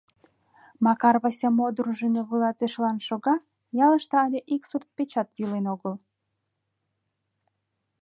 Макар Вася мо дружина вуйлатышылан шога, ялыште але ик сурт-печат йӱлен огыл.